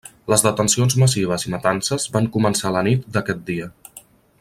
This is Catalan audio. Les detencions massives i matances van començar a la nit d'aquest dia.